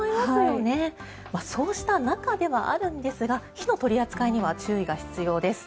そうした中ではあるんですが火の取り扱いには注意が必要です。